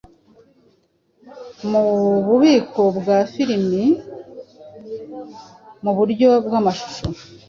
mu bubiko bwa filimi mu buryo bw’amashusho